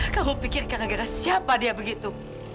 kamu pikir karena siapa dia begitu